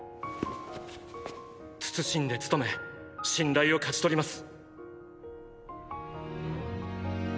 謹んで務め信頼を勝ち取ります。